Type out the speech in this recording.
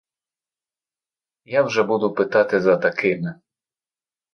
Я вже буду питати за такими.